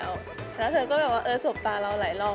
แล้วเธอก็แบบว่าเออสบตาเราหลายรอบ